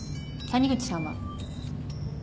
谷口さんは？